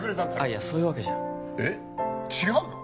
いやそういうわけじゃえっ違うの？